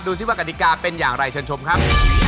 ซิว่ากฎิกาเป็นอย่างไรเชิญชมครับ